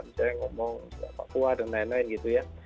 misalnya ngomong papua dan lain lain gitu ya